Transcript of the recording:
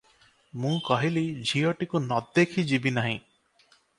ମୁଁ କହିଲି ଝିଅଟିକୁ ନ ଦେଖି ଯିବି ନାହି ।